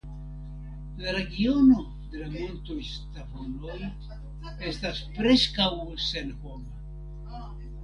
La regiono de la montoj Stavonoj estas preskaŭ senhoma.